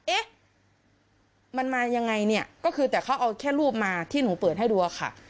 เอ๊ะมันมายังไงเนี่ยก็คือแต่เขาเอาแค่รูปมาที่หนูเปิดให้ดูอะค่ะ